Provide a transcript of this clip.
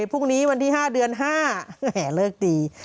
พรุ่งนี้วันที่๕เดือน๕แหมเลิกดี